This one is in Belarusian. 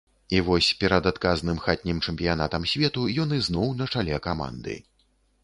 І вось перад адказным хатнім чэмпіянатам свету ён ізноў на чале каманды.